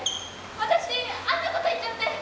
私あんなこと言っちゃって。